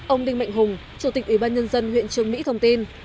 ông đinh mạnh hùng chủ tịch ủy ban nhân dân huyện trường mỹ thông tin